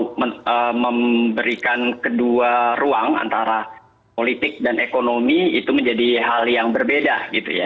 untuk memberikan kedua ruang antara politik dan ekonomi itu menjadi hal yang berbeda gitu ya